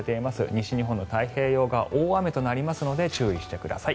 西日本の太平洋側は大雨となりますので注意してください。